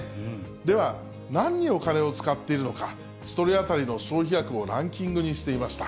では、なんにお金を使っているのか、１人当たりの消費額をランキングにしてみました。